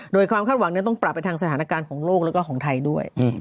โดยความคาดหวังต้องปรับไปทางสถานการณ์ของโลกแล้วก็ของไทยด้วย